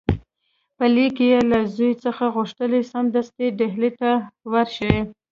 په لیک کې له زوی څخه غوښتي سمدستي ډهلي ته ورشي.